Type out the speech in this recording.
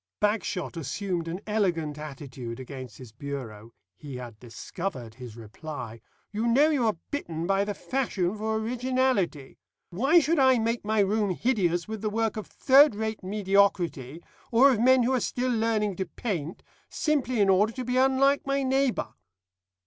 Bagshot assumed an elegant attitude against his bureau. He had discovered his reply. "You know you are bitten by the fashion for originality. Why should I make my room hideous with the work of third rate mediocrity, or of men who are still learning to paint, simply in order to be unlike my neighbour?"